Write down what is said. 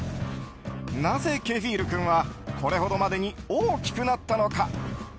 なぜケフィール君はこれほどまでに大きくなったのか。